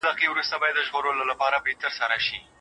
لوستې نجونې د ټولنې د باور کچه ساتي.